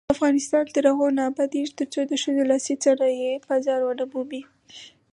افغانستان تر هغو نه ابادیږي، ترڅو د ښځو لاسي صنایع بازار ونه مومي.